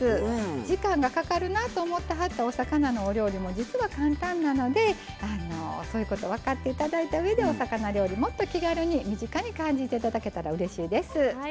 時間がかかるなと思ってはったお魚のお料理も実は簡単なのでそういうことを分かっていただいたうえでお魚料理、もっと気軽に身近に感じていただけたらうれしいです。